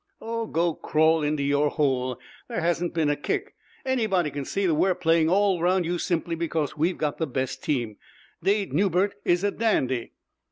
"Oh, go crawl into your hole! There hasn't been a kick. Anybody can see that we're playing all round you simply because we've got the best team. Dade Newbert is a dandy."